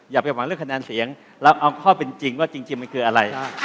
อย่าไปหวังเรื่องคะแนนเสียงเราเอาข้อเป็นจริงว่าจริงมันคืออะไร